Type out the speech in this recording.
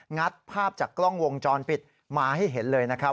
ัดภาพจากกล้องวงจรปิดมาให้เห็นเลยนะครับ